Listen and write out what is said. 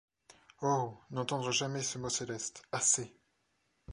Oh ! n’entendre jamais ce mot céleste : assez !